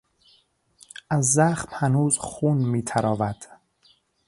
از زخم هنوز خون میتراود.